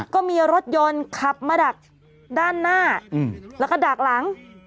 ก็มีรถยนต์ขับมาดักด้านหน้าแล้วก็ดักหลัง